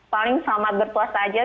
paling selamat berpuasa aja